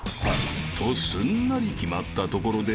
［とすんなり決まったところで］